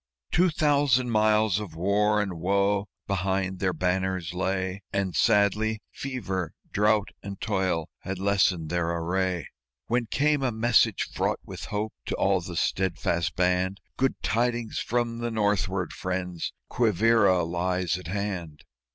Two thousand miles of war and woe behind their banners lay: And sadly fever, drought and toil had lessened their array, When came a message fraught with hope to all the steadfast band: "Good tidings from the northward, friends! Quivíra lies at hand!"